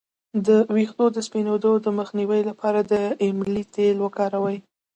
د ویښتو د سپینیدو مخنیوي لپاره د املې تېل وکاروئ